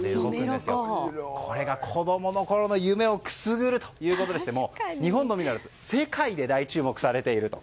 これが、子供のころの夢をくすぐるということでしてもう、日本のみならず世界で大注目されていると。